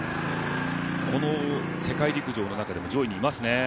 この世界陸上の中でも上位にいますね。